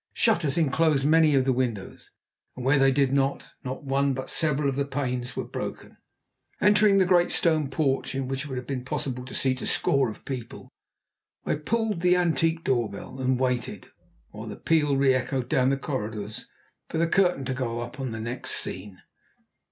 Shutters enclosed many of the windows, and where they did not, not one but several of the panes were broken. Entering the great stone porch, in which it would have been possible to seat a score of people, I pulled the antique door bell, and waited, while the peal re echoed down the corridors, for the curtain to go up on the next scene.